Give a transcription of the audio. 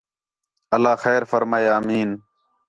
اللہ خیر فرمائے آمین